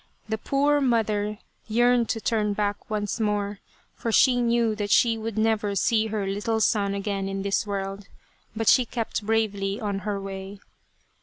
The poor mother yearned to turn back once more, for she knew that she would never see her little son again in this world ; but she kept bravely on her way.